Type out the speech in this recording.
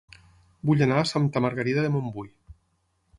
Vull anar a Santa Margarida de Montbui